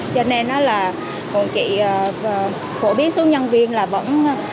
cho nên là một chị khổ biết số nhân viên là vẫn